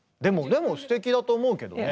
でもすてきだと思うけどね。